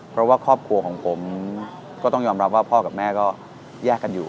เพราะว่าครอบครัวของผมก็ต้องยอมรับว่าพ่อกับแม่ก็แยกกันอยู่